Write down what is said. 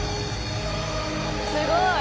すごい！